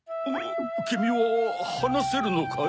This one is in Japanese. きみははなせるのかい？